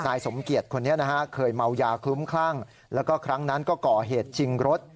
นายสมเกียจคนนี้นะฮะเคยเมายาคลุ้มคลั่งแล้วก็ครั้งนั้นก็ก่อเหตุชิงรถ